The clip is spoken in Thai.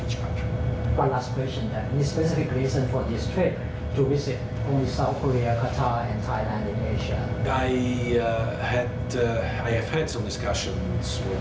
แต่ฉันคิดว่ามันต้องมีส่วนสำคัญ